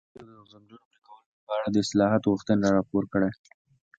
ازادي راډیو د د ځنګلونو پرېکول په اړه د اصلاحاتو غوښتنې راپور کړې.